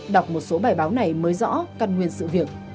đọc một số bài báo này mới rõ căn nguyên sự việc